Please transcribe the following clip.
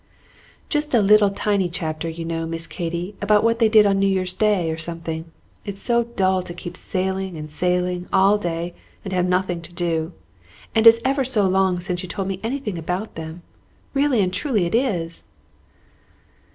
"Just a little tiny chapter, you know, Miss Katy, about what they did on New Year's Day or something. It's so dull to keep sailing and sailing all day and have nothing to do, and it's ever so long since you told me anything about them, really and truly it is!"